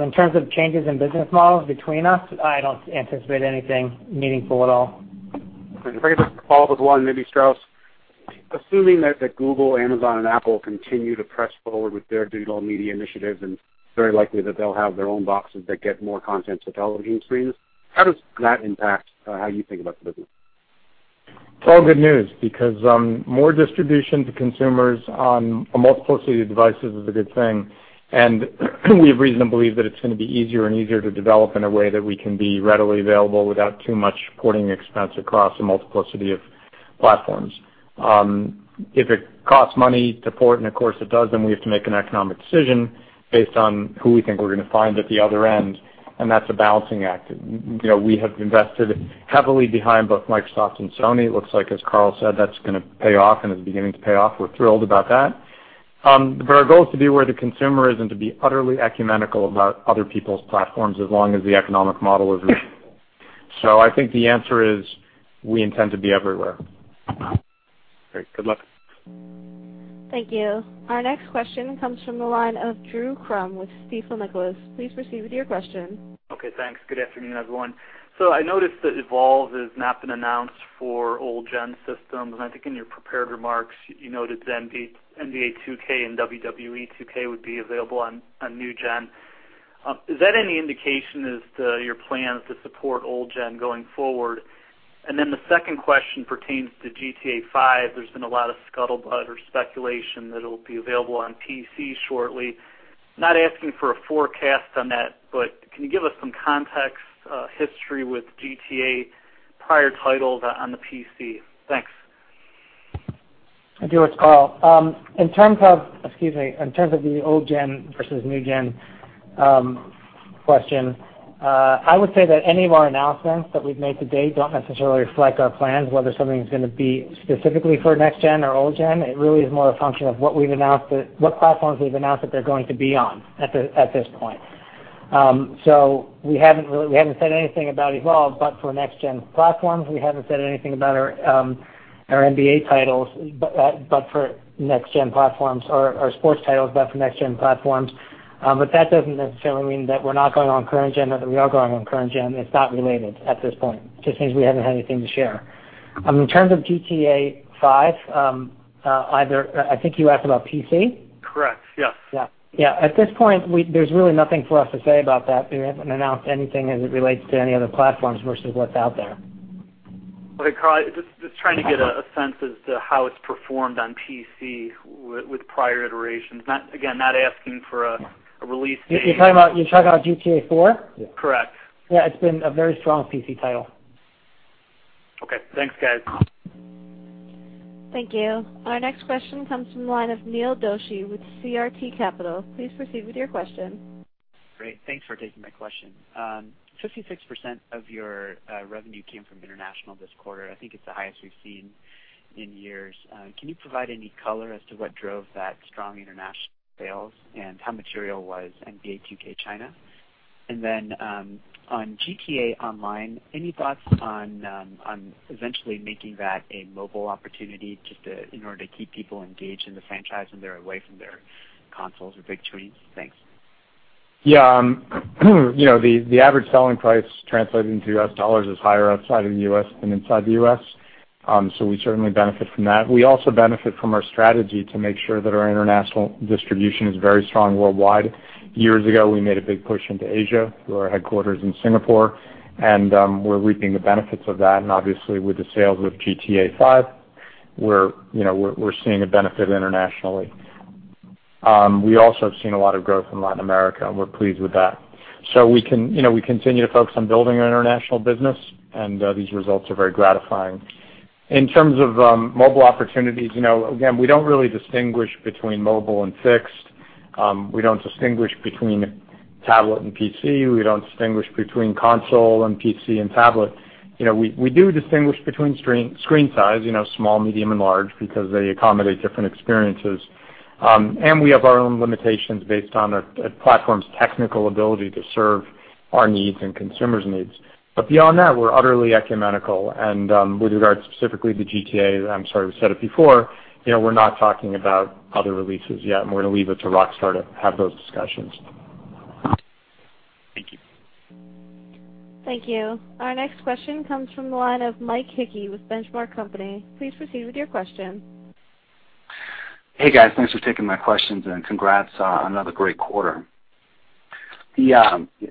In terms of changes in business models between us, I don't anticipate anything meaningful at all. If I could just follow up with one, maybe Strauss. Assuming that Google, Amazon, and Apple continue to press forward with their digital media initiatives, and it's very likely that they'll have their own boxes that get more content to television screens, how does that impact how you think about the business? It's all good news because more distribution to consumers on a multiplicity of devices is a good thing, and we have reason to believe that it's going to be easier and easier to develop in a way that we can be readily available without too much porting expense across a multiplicity of platforms. If it costs money to port, and of course it does, then we have to make an economic decision based on who we think we're going to find at the other end, and that's a balancing act. We have invested heavily behind both Microsoft and Sony. It looks like, as Karl said, that's going to pay off and is beginning to pay off. We're thrilled about that. Our goal is to be where the consumer is and to be utterly ecumenical about other people's platforms as long as the economic model is reasonable. I think the answer is we intend to be everywhere. Great. Good luck. Thank you. Our next question comes from the line of Drew Crum with Stifel Nicolaus. Please proceed with your question. Okay, thanks. Good afternoon, everyone. I noticed that "Evolve" has not been announced for old-gen systems, and I think in your prepared remarks, you noted that "NBA 2K" and "WWE 2K" would be available on new-gen. Is that any indication as to your plans to support old-gen going forward? The second question pertains to "GTA V." There's been a lot of scuttlebutt or speculation that it'll be available on PC shortly. Not asking for a forecast on that, but can you give us some context, history with GTA prior titles on the PC? Thanks. Hi, Drew. It's Karl. In terms of the old-gen versus new-gen question, I would say that any of our announcements that we've made to date don't necessarily reflect our plans, whether something's going to be specifically for next-gen or old-gen. It really is more a function of what platforms we've announced that they're going to be on at this point. We haven't said anything about "Evolve," but for next-gen platforms, we haven't said anything about our NBA titles, but for next-gen platforms or our sports titles, but for next-gen platforms. That doesn't necessarily mean that we're not going on current-gen or that we are going on current-gen. It's not related at this point. Just means we haven't had anything to share. In terms of "GTA V," I think you asked about PC? Correct. Yes. Yeah. At this point, there's really nothing for us to say about that. We haven't announced anything as it relates to any other platforms versus what's out there. Okay, Karl, just trying to get a sense as to how it's performed on PC with prior iterations. Again, not asking for a release date. You're talking about "GTA IV? Correct. Yeah. It's been a very strong PC title. Okay. Thanks, guys. Thank you. Our next question comes from the line of Neil Doshi with CRT Capital. Please proceed with your question. Great. Thanks for taking my question. 56% of your revenue came from international this quarter. I think it's the highest we've seen in years. Can you provide any color as to what drove that strong international sales and how material was NBA 2K China? Then, on GTA Online, any thoughts on eventually making that a mobile opportunity just in order to keep people engaged in the franchise when they're away from their consoles or big screens? Thanks. Yeah. The average selling price translated into U.S. dollars is higher outside of the U.S. than inside the U.S., so we certainly benefit from that. We also benefit from our strategy to make sure that our international distribution is very strong worldwide. Years ago, we made a big push into Asia through our headquarters in Singapore, and we're reaping the benefits of that. Obviously, with the sales of GTA V, we're seeing a benefit internationally. We also have seen a lot of growth in Latin America, and we're pleased with that. We continue to focus on building our international business, and these results are very gratifying. In terms of mobile opportunities, again, we don't really distinguish between mobile and fixed. We don't distinguish between tablet and PC. We don't distinguish between console and PC and tablet. We do distinguish between screen size, small, medium, and large, because they accommodate different experiences. We have our own limitations based on a platform's technical ability to serve our needs and consumers' needs. Beyond that, we're utterly ecumenical, and with regard specifically to GTA, I'm sorry, we said it before, we're not talking about other releases yet, and we're going to leave it to Rockstar to have those discussions. Thank you. Thank you. Our next question comes from the line of Mike Hickey with Benchmark Company. Please proceed with your question. Hey, guys. Thanks for taking my questions, congrats on another great quarter.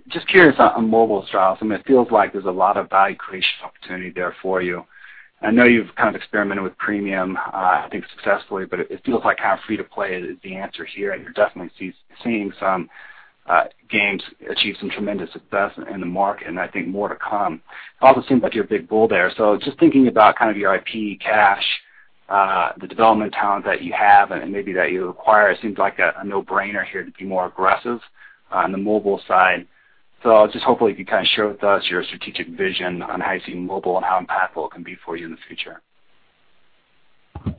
Just curious on mobile strategies. It feels like there's a lot of value creation opportunity there for you. I know you've kind of experimented with premium, I think successfully, it feels like free to play is the answer here. You're definitely seeing some games achieve some tremendous success in the market, I think more to come. It also seems like you're a big bull there. Just thinking about your IP cache, the development talent that you have and maybe that you acquire, it seems like a no-brainer here to be more aggressive on the mobile side. Just hopefully you can share with us your strategic vision on how you see mobile and how impactful it can be for you in the future.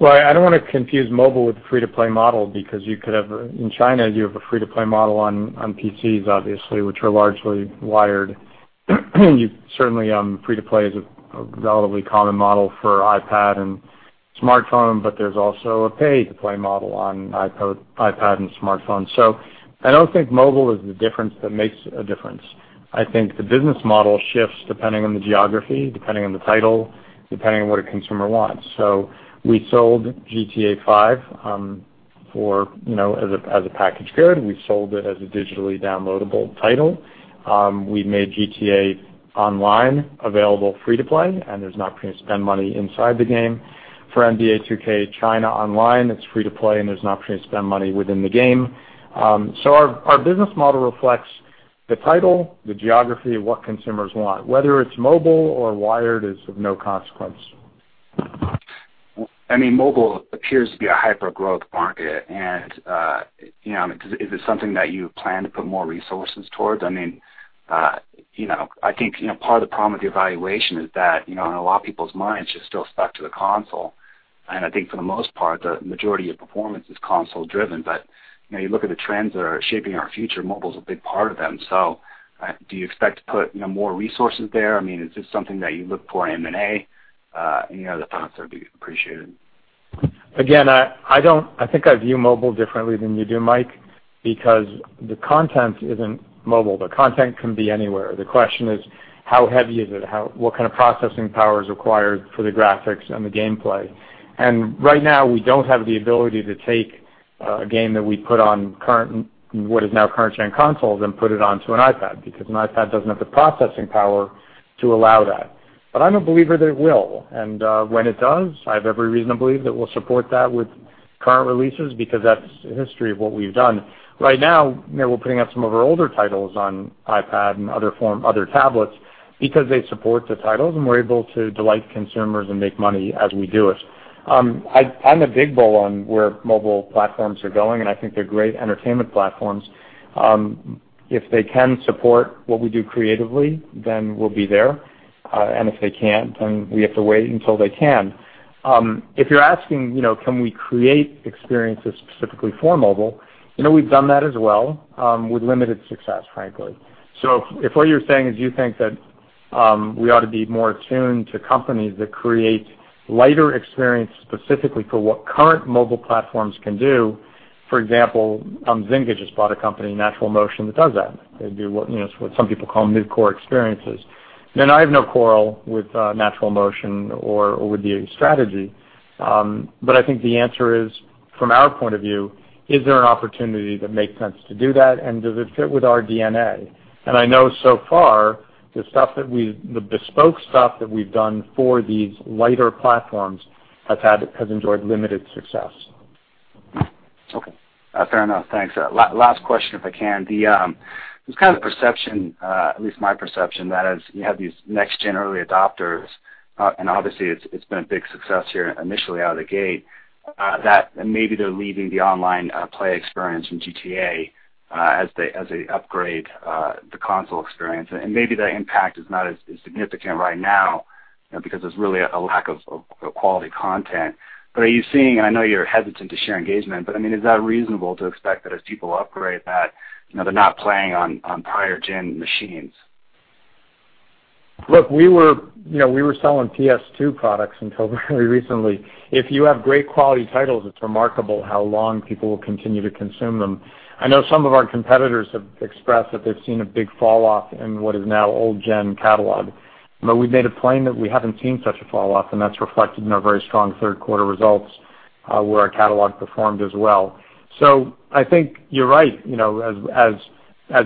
I don't want to confuse mobile with the free-to-play model because you could have, in China, you have a free-to-play model on PCs, obviously, which are largely wired. Certainly, free to play is a relatively common model for iPad and smartphone, but there's also a pay-to-play model on iPad and smartphone. I don't think mobile is the difference that makes a difference. I think the business model shifts depending on the geography, depending on the title, depending on what a consumer wants. We sold "GTA V" as a package good. We sold it as a digitally downloadable title. We made "GTA Online" available free to play, and there's an option to spend money inside the game. For "NBA 2K" China Online, it's free to play, and there's an option to spend money within the game. Our business model reflects the title, the geography, and what consumers want. Whether it's mobile or wired is of no consequence. Mobile appears to be a hyper-growth market, is it something that you plan to put more resources towards? I think part of the problem with your valuation is that, in a lot of people's minds, you're still stuck to the console. I think for the most part, the majority of performance is console driven, you look at the trends that are shaping our future, mobile's a big part of them. Do you expect to put more resources there? Is this something that you look for in M&A? Any other thoughts would be appreciated. Again, I think I view mobile differently than you do, Mike, because the content isn't mobile. The content can be anywhere. The question is, how heavy is it? What kind of processing power is required for the graphics and the gameplay? Right now we don't have the ability to take a game that we put on what is now current-gen consoles and put it onto an iPad, because an iPad doesn't have the processing power to allow that. I'm a believer that it will. When it does, I have every reason to believe that we'll support that with current releases, because that's the history of what we've done. Right now, we're putting out some of our older titles on iPad and other tablets because they support the titles, and we're able to delight consumers and make money as we do it. I'm a big bull on where mobile platforms are going, and I think they're great entertainment platforms. If they can support what we do creatively, then we'll be there, and if they can't, then we have to wait until they can. If you're asking, can we create experiences specifically for mobile? We've done that as well, with limited success, frankly. If what you're saying is you think that we ought to be more attuned to companies that create lighter experiences specifically for what current mobile platforms can do, for example, Zynga just bought a company, NaturalMotion, that does that. They do what some people call mid-core experiences. I have no quarrel with NaturalMotion or with the strategy. I think the answer is, from our point of view, is there an opportunity that makes sense to do that, and does it fit with our DNA? I know so far, the bespoke stuff that we've done for these lighter platforms has enjoyed limited success. Okay. Fair enough. Thanks. Last question, if I can. There's kind of a perception, at least my perception, that as you have these next-gen early adopters, and obviously it's been a big success here initially out of the gate, that maybe they're leaving the online play experience from GTA as they upgrade the console experience. Maybe the impact is not as significant right now because there's really a lack of quality content. Are you seeing, and I know you're hesitant to share engagement, but is that reasonable to expect that as people upgrade, that they're not playing on prior-gen machines? Look, we were selling PS2 products until very recently. If you have great quality titles, it's remarkable how long people will continue to consume them. I know some of our competitors have expressed that they've seen a big falloff in what is now old-gen catalog, but we've made it plain that we haven't seen such a falloff, and that's reflected in our very strong third quarter results, where our catalog performed as well. I think you're right. As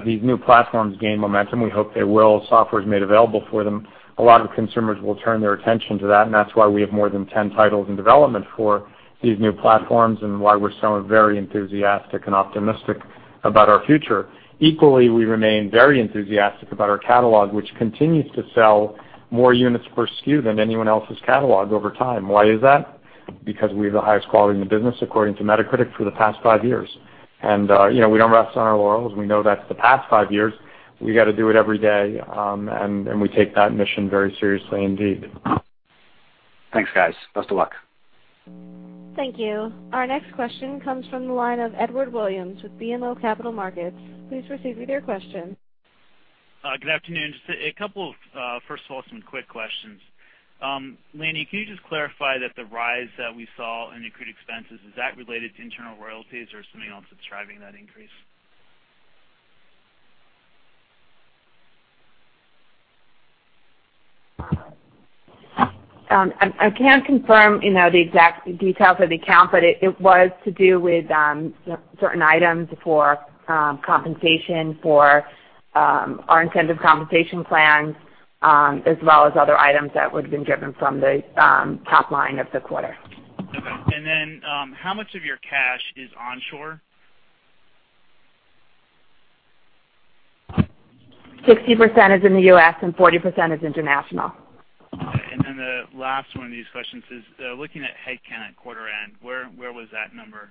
these new platforms gain momentum, we hope they will, software is made available for them, a lot of consumers will turn their attention to that, and that's why we have more than 10 titles in development for these new platforms and why we're so very enthusiastic and optimistic about our future. We remain very enthusiastic about our catalog, which continues to sell more units per SKU than anyone else's catalog over time. Why is that? Because we have the highest quality in the business, according to Metacritic, for the past five years. We don't rest on our laurels. We know that's the past five years. We got to do it every day, and we take that mission very seriously indeed. Thanks, guys. Best of luck. Thank you. Our next question comes from the line of Edward Williams with BMO Capital Markets. Please proceed with your question. Good afternoon. Just a couple of, first of all, some quick questions. Lainie, can you just clarify that the rise that we saw in accrued expenses, is that related to internal royalties or something else that's driving that increase? I can't confirm the exact details of the account, it was to do with certain items for compensation for our incentive compensation plan, as well as other items that would have been driven from the top line of the quarter. Okay. How much of your cash is onshore? 60% is in the U.S., 40% is international. Okay. The last one of these questions is, looking at headcount at quarter end, where was that number?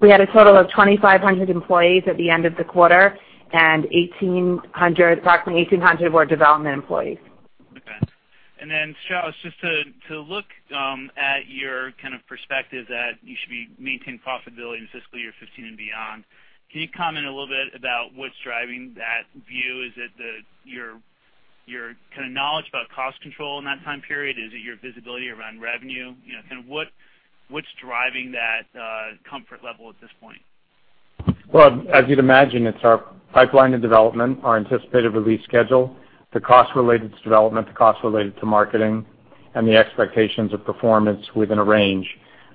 We had a total of 2,500 employees at the end of the quarter, and approximately 1,800 were development employees. Okay. Strauss, just to look at your perspective that you should be maintaining profitability in fiscal year 2015 and beyond, can you comment a little bit about what's driving that view? Is it your knowledge about cost control in that time period? Is it your visibility around revenue? What's driving that comfort level at this point? Well, as you'd imagine, it's our pipeline of development, our anticipated release schedule, the costs related to development, the costs related to marketing, and the expectations of performance within a range.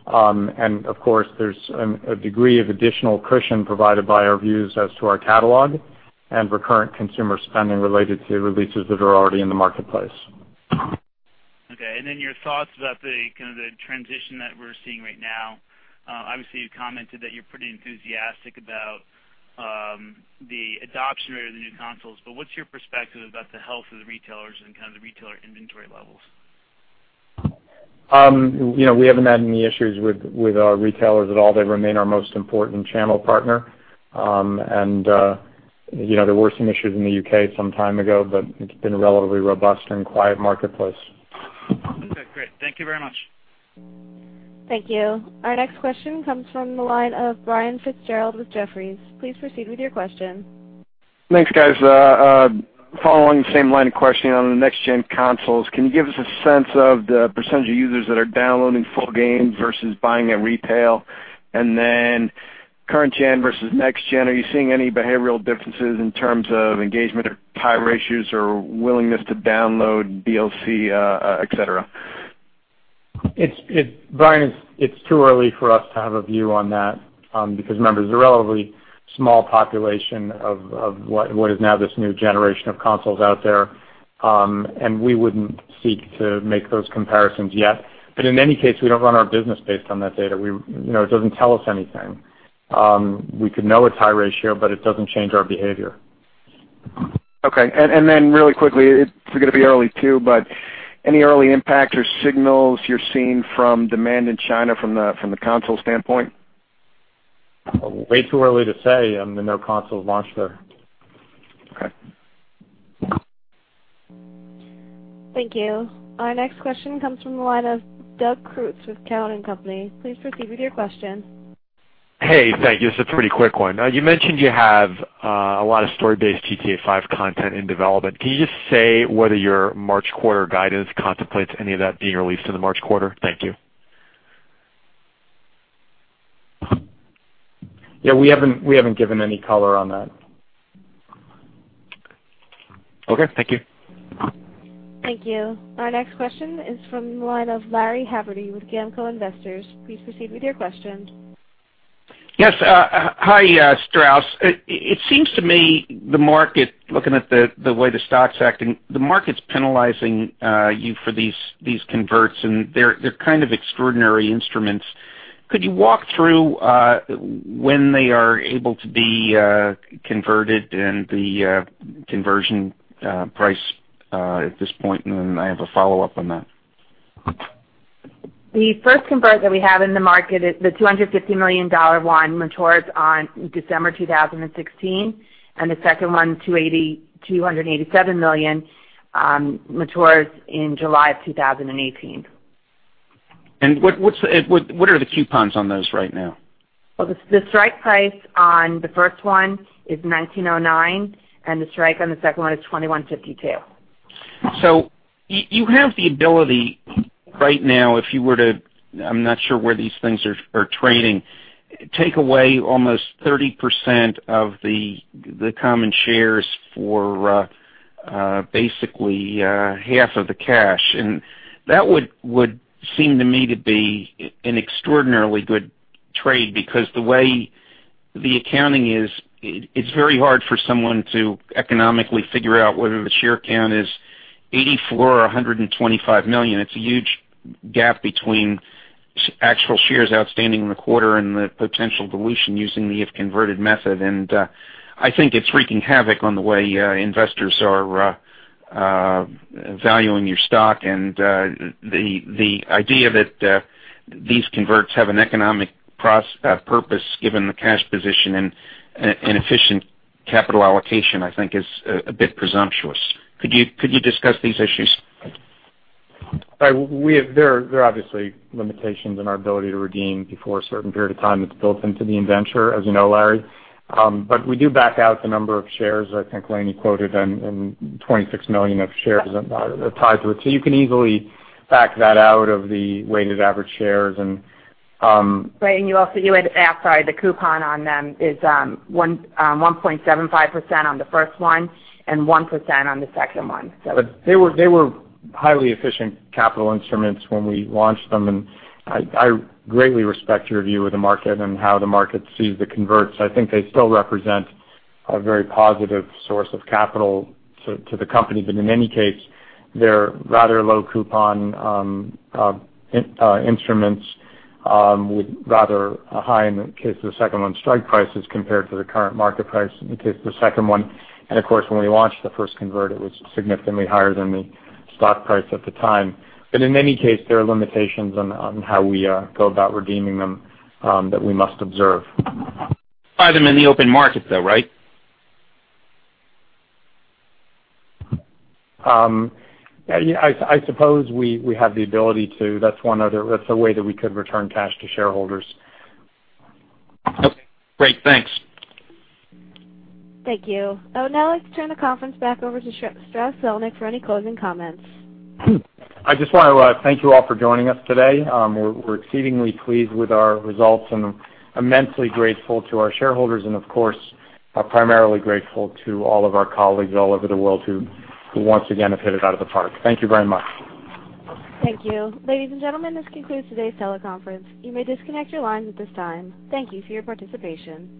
Of course, there's a degree of additional cushion provided by our views as to our catalog and recurrent consumer spending related to releases that are already in the marketplace. Okay. Your thoughts about the transition that we're seeing right now. Obviously, you commented that you're pretty enthusiastic about the adoption rate of the new consoles, but what's your perspective about the health of the retailers and the retailer inventory levels? We haven't had any issues with our retailers at all. They remain our most important channel partner. There were some issues in the U.K. some time ago, but it's been a relatively robust and quiet marketplace. Okay, great. Thank you very much. Thank you. Our next question comes from the line of Brian Fitzgerald with Jefferies. Please proceed with your question. Thanks, guys. Following the same line of questioning on the next-gen consoles, can you give us a sense of the % of users that are downloading full games versus buying at retail? Then current gen versus next gen, are you seeing any behavioral differences in terms of engagement or tie ratios or willingness to download DLC, et cetera? Brian, it's too early for us to have a view on that, because remember, there's a relatively small population of what is now this new generation of consoles out there, and we wouldn't seek to make those comparisons yet. In any case, we don't run our business based on that data. It doesn't tell us anything. We could know its tie ratio, but it doesn't change our behavior. Okay. Really quickly, it's going to be early too. Any early impact or signals you're seeing from demand in China from the console standpoint? Way too early to say. No console's launched there. Okay. Thank you. Our next question comes from the line of Doug Creutz with Cowen and Company. Please proceed with your question. Hey, thank you. It's a pretty quick one. You mentioned you have a lot of story-based Grand Theft Auto V content in development. Can you just say whether your March quarter guidance contemplates any of that being released in the March quarter? Thank you. Yeah, we haven't given any color on that. Okay, thank you. Thank you. Our next question is from the line of Larry Haverty with Gamco Investors. Please proceed with your question. Yes. Hi, Strauss. It seems to me the market, looking at the way the stock's acting, the market's penalizing you for these converts, and they're kind of extraordinary instruments. Could you walk through when they are able to be converted and the conversion price at this point? I have a follow-up on that. The first convert that we have in the market, the $250 million one, matures on December 2016. The second one, $287 million, matures in July of 2018. What are the coupons on those right now? Well, the strike price on the first one is $19.09. The strike on the second one is $21.52. You have the ability right now, if you were to, I'm not sure where these things are trading, take away almost 30% of the common shares for basically half of the cash. That would seem to me to be an extraordinarily good trade, because the way the accounting is, it's very hard for someone to economically figure out whether the share count is 84 or 125 million. It's a huge gap between actual shares outstanding in the quarter and the potential dilution using the if-converted method. I think it's wreaking havoc on the way investors are valuing your stock, and the idea that these converts have an economic purpose given the cash position and efficient capital allocation, I think is a bit presumptuous. Could you discuss these issues? There are obviously limitations in our ability to redeem before a certain period of time that's built into the indenture, as you know, Larry. We do back out the number of shares, I think Lainie quoted them, 26 million of shares tied to it. You can easily back that out of the weighted average shares. Right. You also, sorry, the coupon on them is 1.75% on the first one and 1% on the second one. They were highly efficient capital instruments when we launched them, and I greatly respect your view of the market and how the market sees the converts. I think they still represent a very positive source of capital to the company. In any case, they're rather low coupon instruments with rather a high, in the case of the second one, strike prices compared to the current market price in the case of the second one. Of course, when we launched the first convert, it was significantly higher than the stock price at the time. In any case, there are limitations on how we go about redeeming them that we must observe. Buy them in the open market, though, right? I suppose we have the ability to. That's a way that we could return cash to shareholders. Okay, great. Thanks. Thank you. I would now like to turn the conference back over to Strauss Zelnick for any closing comments. I just want to thank you all for joining us today. We're exceedingly pleased with our results and immensely grateful to our shareholders and, of course, are primarily grateful to all of our colleagues all over the world who once again have hit it out of the park. Thank you very much. Thank you. Ladies and gentlemen, this concludes today's teleconference. You may disconnect your lines at this time. Thank you for your participation.